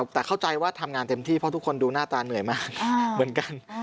แต่เข้าใจว่าทำงานเต็มที่เพราะทุกคนดูหน้าตาเหนื่อยมากเหมือนกัน